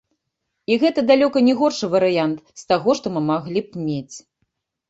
І гэта далёка не горшы варыянт з таго, што мы маглі б мець.